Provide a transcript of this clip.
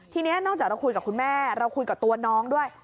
ทีนี้นอกจากเราคุยกับคุณแม่เราคุยกับตัวน้องด้วย